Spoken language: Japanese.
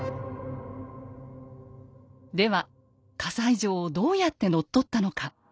では西城をどうやって乗っ取ったのか。